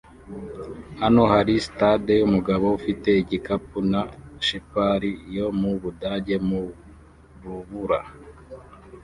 Hano hari sitade yumugabo ufite igikapu na Shepard yo mu Budage mu rubura